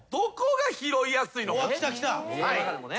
その中でもね。